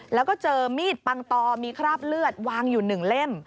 แล้วก็เจอมีดปังตอมีคราบเลือดวางอยู่๑เล่ม